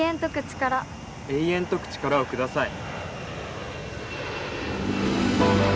永遠解く力を下さい。